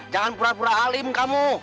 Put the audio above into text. jangan pura pura halim kamu